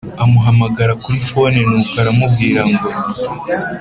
amuhamagara kuri phone nuko aramubwira ngo